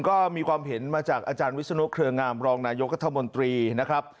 ก็มีความเห็นมาจากอาจารย์วิศนุเครืองามรองนายกัธมนตรีนะครับ